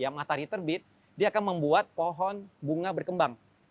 yang matahari terbit dia akan membuat pohon bunga berkembang